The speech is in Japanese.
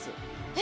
え？